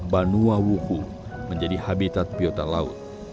banu wawuhu menjadi habitat biota laut